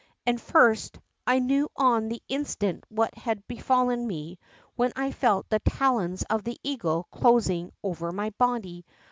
And first, I knew on the instant what had befallen mei, when I felt the talons of the eagle closing over my body.